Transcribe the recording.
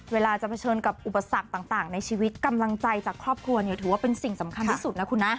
เวลาจะเผชิญกับอุปสรรคต่างในชีวิตกำลังใจจากครอบครัวเนี่ยถือว่าเป็นสิ่งสำคัญที่สุดนะคุณนะ